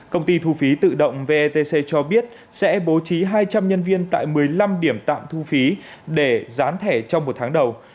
công ty thu phí tự động vetc cho biết sẽ bố trí hai trăm linh nhân viên tại một mươi năm điểm tạm thu phí để gián thẻ trong một tháng đầu